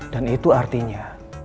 dan itu artinya